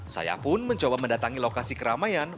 saya pun mencoba mendatangi lokasi keramaian